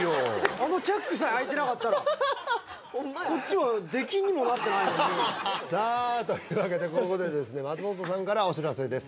あのチャックさえあいてなかったらホンマやこっちは出禁にもなってないのにさあというわけでここで松本さんからお知らせです